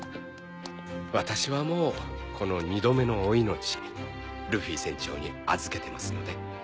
私はもうこの二度目のお命ルフィ船長に預けてますのでお供しますとも。